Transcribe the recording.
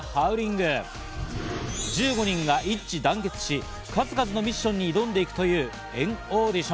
１５人が一致団結し、数々のミッションに挑んでいくという＆ＡＵＤＩＴＩＯＮ。